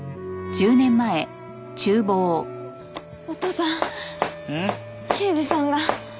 お父さん刑事さんが。